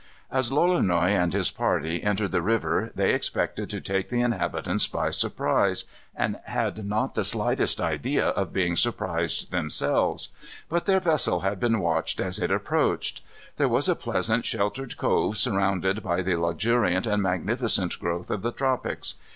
As Lolonois and his party entered the river they expected to take the inhabitants by surprise, and had not the slightest idea of being surprised themselves. But their vessel had been watched as it approached. There was a pleasant sheltered cove surrounded by the luxuriant and magnificent growth of the tropics.